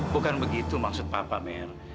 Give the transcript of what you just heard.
bukan begitu maksud papa mer